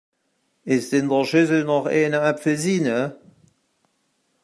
Ist in der Schüssel noch eine Apfelsine?